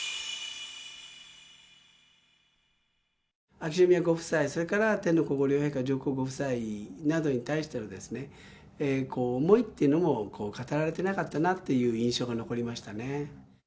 秋篠宮ご夫妻、それから天皇皇后両陛下、上皇ご夫妻などに対してはですね、思いっていうのも語られていなかったなといった印象が残りました